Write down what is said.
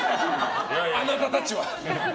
あなたたちは。